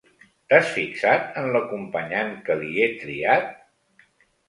T'has fixat en l'acompanyant que li he triat?